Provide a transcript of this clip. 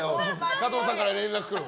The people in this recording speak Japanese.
加藤さんから連絡来る。